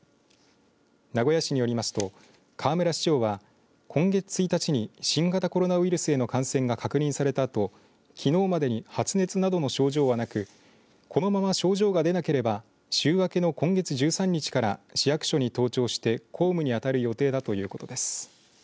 名古屋市によりますと河村市長は今月１日に新型コロナウイルスへの感染が確認されたあときのうまでに発熱などの症状はなくこのまま症状が出なければ週明けの今月１３日から市役所に登庁して公務にあたる予定だということです。